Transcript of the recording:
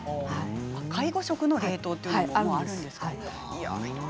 介護食の冷凍というのもあるんですね。